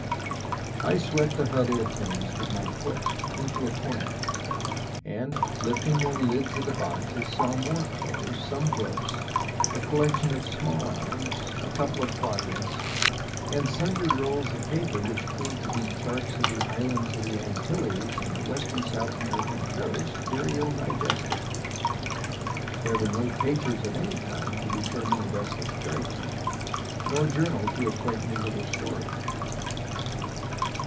I swept the huddle of things with my foot into a corner, and lifting the lids of the boxes saw more clothes, some books, a collection of small arms, a couple of quadrants, and sundry rolls of paper which proved to be charts of the islands of the Antilles and the western South American coast, very ill digested. There were no papers of any kind to determine the vessel's character, nor journal to acquaint me with her story.